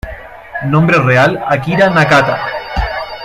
Nombre real "Akira Nakata.